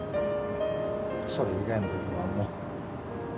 それ以外の部分はもう。